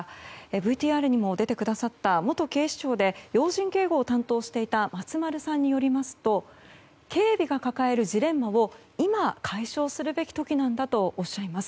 ＶＴＲにも出てくださった元警視庁で要人警護を担当していた松丸さんによりますと警備が抱えるジレンマを今、解消すべき時なんだとおっしゃいます。